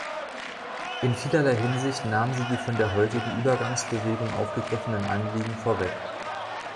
In vielerlei Hinsicht nahm sie die von der heutigen Übergangsbewegung aufgegriffenen Anliegen vorweg.